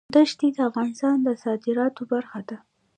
دښتې د افغانستان د صادراتو برخه ده.